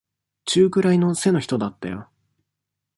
中くらいの背の人だったよ。